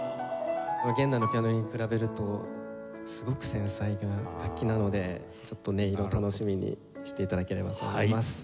現代のピアノに比べるとすごく繊細な楽器なのでちょっと音色を楽しみにして頂ければと思います。